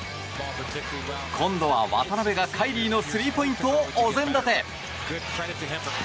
今度は渡邊が、カイリーのスリーポイントをお膳立て。